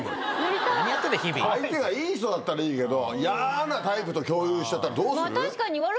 相手がいい人だったらいいけど、嫌ーなタイプと共有しちゃったら、どうする？